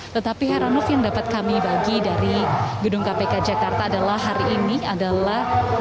tetapi heranov yang dapat kami bagi dari gedung kpk jakarta adalah hari ini adalah